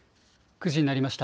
９時になりました。